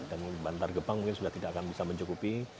dan bantar gepang mungkin sudah tidak akan bisa mencukupi